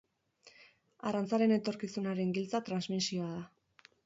Arrantzaren etorkizunaren giltza transmisioa da.